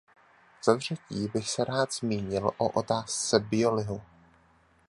Za třetí bych se rád zmínil o otázce biolihu.